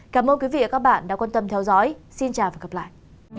cảm ơn quý vị và các bạn đã quan tâm theo dõi xin chào và hẹn gặp lại